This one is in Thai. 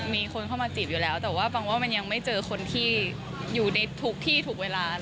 มีคนเข้ามาจีบอยู่แล้วแต่ว่าปังว่ามันยังไม่เจอคนที่อยู่ในทุกที่ถูกเวลา